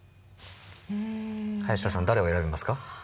林田さん誰を選びますか？